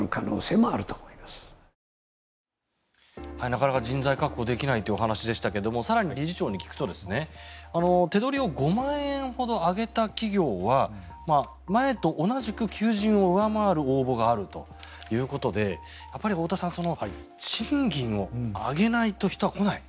なかなか人材確保ができないというお話でしたが更に理事長に聞くと手取りを５万円ほど上げた企業は前と同じく求人を上回る応募があるということでやっぱり、太田さん賃金を上げないと人が来ない。